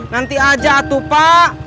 nanti aja tuh pak